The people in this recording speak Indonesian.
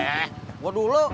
eh gua dulu